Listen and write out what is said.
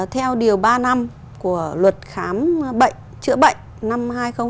theo điều ba năm của luật khám chữa bệnh năm hai nghìn hai mươi ba